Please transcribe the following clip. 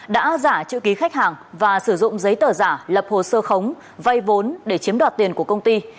đã giả chữ ký khách hàng và sử dụng giấy tờ giả lập hồ sơ khống vay vốn để chiếm đoạt tiền của công ty